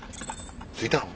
着いたの？